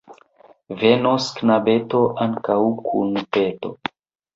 Venos knabeto ankaŭ kun peto.